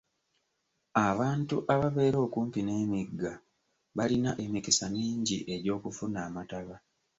Abantu ababeera okumpi n'emigga balina emikisa mingi egy'okufuna amataba.